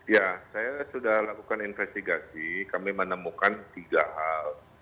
ya saya sudah lakukan investigasi kami menemukan tiga hal